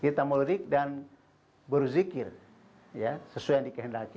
kita mudik dan berzikir sesuai yang dikehendaki